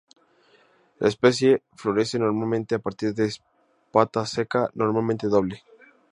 La especie florece normalmente a partir de espata seca, normalmente doble.